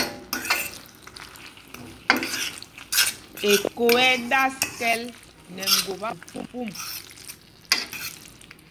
Eko ɛ́ ɛ́ ɗas kɛ̌l nɛ ŋgop apuupum.